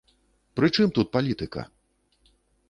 Пры чым тут палітыка!